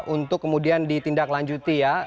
untuk kemudian ditindaklanjuti ya